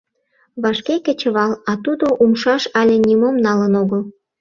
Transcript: Вашке кечывал, а тудо умшаш але нимом налын огыл.